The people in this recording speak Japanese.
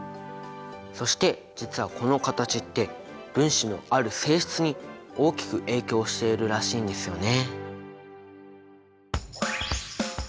そして実はこの形って分子のある性質に大きく影響しているらしいんですよね。